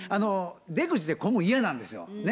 出口で混む嫌なんですよね。